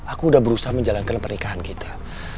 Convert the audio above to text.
aku udah berusaha menjalankan pernikahan kita